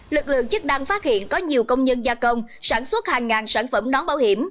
lực lượng chức năng phát hiện có nhiều công nhân gia công sản xuất hàng ngàn sản phẩm nón bảo hiểm